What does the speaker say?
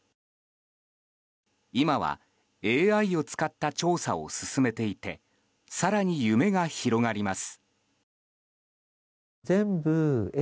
今はＡＩを使った調査を進めていて更に夢が広がります。